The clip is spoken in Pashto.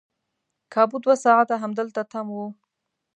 کابو دوه ساعته همدلته تم وو.